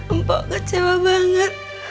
empok kecewa banget